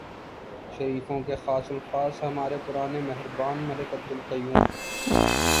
شریفوں کے خاص الخاص ہمارے پرانے مہربان ملک عبدالقیوم۔